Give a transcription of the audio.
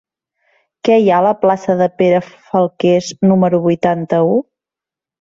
Què hi ha a la plaça de Pere Falqués número vuitanta-u?